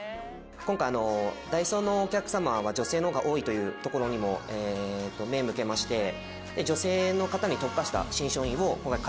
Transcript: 今回ダイソーのお客様は女性の方が多いというところにも目向けまして女性の方に特化した新商品を今回開発させていただきました。